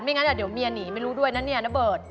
ไม่งั้นเดี๋ยวเมียหนีไม่รู้ด้วยนะน้าเบิร์ด